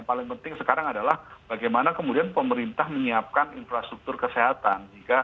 yang paling penting sekarang adalah bagaimana kemudian pemerintah menyiapkan infrastruktur kesehatan